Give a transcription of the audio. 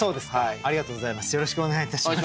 ありがとうございます。